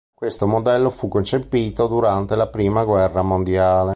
Questo modello fu concepito durante la Prima Guerra Mondiale.